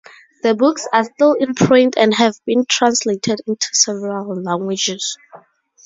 The books are still in print and have been translated into several languages.